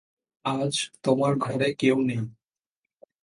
আজ তোমার ঘরে কেউ নেই।